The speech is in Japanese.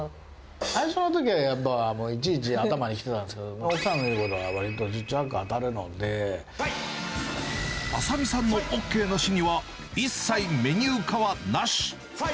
最初のときはやっぱ、いちいち頭に来てたんですけど、奥さんの言うことはわりと十中八麻美さんのＯＫなしには、一切メニュー化はなし。